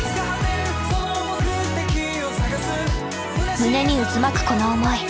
胸に渦巻くこの思い。